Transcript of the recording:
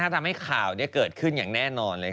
ทำให้ข่าวเกิดขึ้นอย่างแน่นอนเลย